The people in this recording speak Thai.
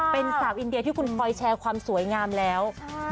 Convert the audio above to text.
เป็นสาวอินเดียที่คุณคอยแชร์ความสวยงามแล้ว